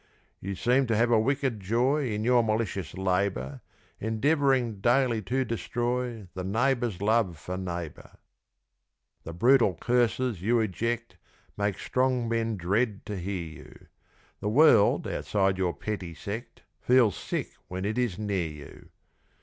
You seem to have a wicked joy In your malicious labour, Endeavouring daily to destroy The neighbour's love for neighbour. The brutal curses you eject Make strong men dread to hear you. The world outside your petty sect Feels sick when it is near you.